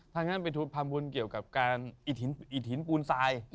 ถ้างั้นไปทำบุญเกี่ยวกับการอิถินปูนทราย